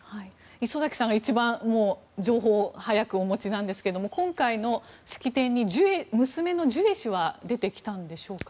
礒崎さんが一番情報を早くお持ちなんですが今回の式典に娘のジュエ氏は出てきたんでしょうか。